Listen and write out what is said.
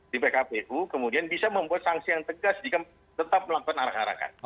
di pkpu kemudian bisa membuat sanksi yang tegas jika tetap melakukan arah arahkan